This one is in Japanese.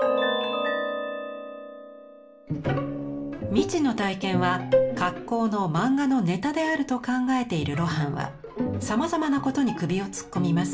未知の体験は格好の漫画のネタであると考えている露伴はさまざまなことに首を突っ込みます。